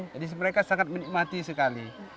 jadi mereka sangat menikmati sekali